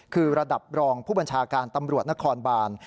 คือระดับรองผู้บัญชาการตำรวจนครบาน